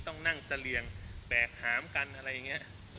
ต้องนั่งเสลี่ยงแบกหามกันอะไรอย่างนี้